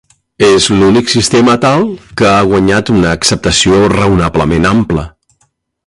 És l'únic sistema tal que ha guanyat una acceptació raonablement ampla.